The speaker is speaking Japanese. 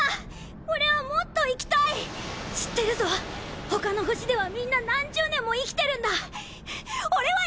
俺はもっと知ってるぞ他の星ではみんな何十俺は生きたいんだ！